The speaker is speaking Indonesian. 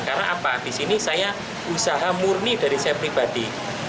karena apa disini saya usaha murni dari saya pribadi